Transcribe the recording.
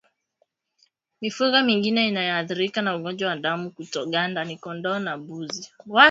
Mifugo mingine inayoathirika na ugonjwa wa damu kutoganda ni kondoo na mbuzi